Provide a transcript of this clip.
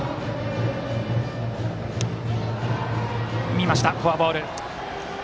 見ました、フォアボール。